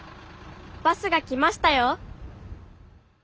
バスが来ましたよ。